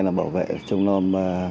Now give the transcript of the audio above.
bảo vệ trong non